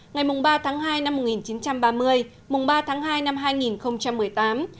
ngày ba tháng hai năm một nghìn chín trăm ba mươi mùng ba tháng hai năm hai nghìn một mươi tám